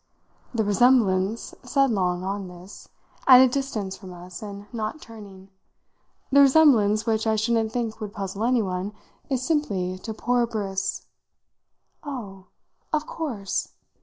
"The resemblance," said Long, on this, at a distance from us and not turning, "the resemblance, which I shouldn't think would puzzle anyone, is simply to 'poor Briss'!" "Oh, of course!"